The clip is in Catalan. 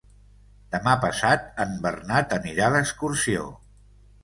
Demà passat en Bernat anirà d'excursió.